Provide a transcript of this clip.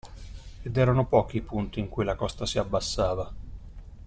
Ed erano pochi i punti in cui la costa si abbassava.